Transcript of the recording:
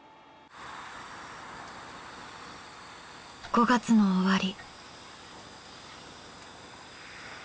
５月の終わり。